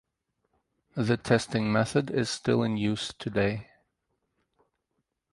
The testing method is still in use today.